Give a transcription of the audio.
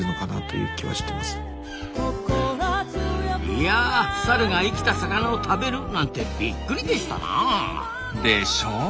いやサルが生きた魚を食べるなんてビックリでしたな。でしょう？